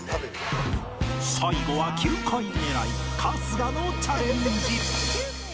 最後は９回狙い春日のチャレンジ。